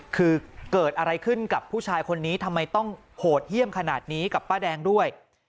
คือเกิดอะไรขึ้นกับผู้ชายคนนี้ทำไมต้องโหดเยี่ยมขนาดนี้กับป้าแดงด้วย